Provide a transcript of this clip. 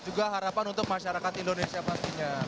juga harapan untuk masyarakat indonesia pastinya